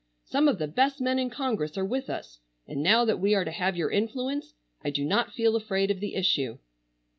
Some of the best men in Congress are with us, and now that we are to have your influence I do not feel afraid of the issue."